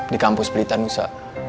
di kampus pelita nusa